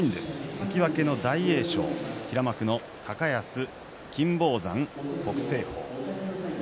関脇の大栄翔、平幕の高安金峰山、北青鵬。